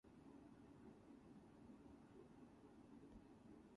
That was my first job-boxing cartoonist.